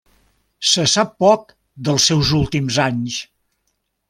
Se sap poc dels seus últims anys.